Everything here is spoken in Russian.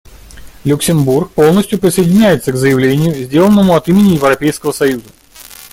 Люксембург полностью присоединяется к заявлению, сделанному от имени Европейского союза.